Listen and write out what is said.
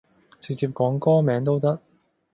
直接講歌名都得